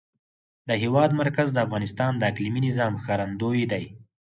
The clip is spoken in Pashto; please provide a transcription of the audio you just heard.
د هېواد مرکز د افغانستان د اقلیمي نظام ښکارندوی ده.